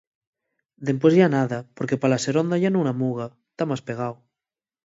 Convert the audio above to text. Dempués yá nada, porque pa la seronda yá nun amuga, ta más pegao.